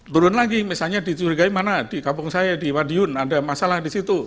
turun lagi misalnya dicurigai mana di kampung saya di madiun ada masalah di situ